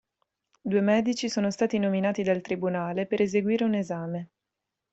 Due medici sono stati nominati dal tribunale per eseguire un esame.